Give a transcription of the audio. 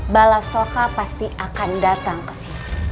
balasoka pasti akan datang ke sini